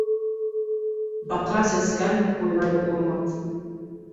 Баҡра сәскән бойҙай урмаҫ.